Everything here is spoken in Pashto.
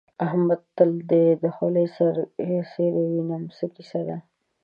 احمده! تل دې د خولۍ سر څيرې وينم؛ څه کيسه ده؟